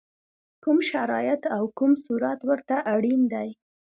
کوم شرایط او کوم صورت ورته اړین دی؟